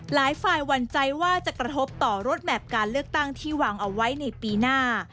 หลายฝ่ายหวั่นใจว่าจะกระทบต่อรถแมพการเลือกตั้งที่วางเอาไว้ในปีหน้า